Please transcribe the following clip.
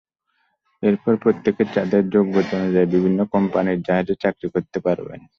এরপর প্রত্যেকে তাঁদের যোগ্যতা অনুযায়ী বিভিন্ন কোম্পানির জাহাজে চাকরি করতে পারবেন।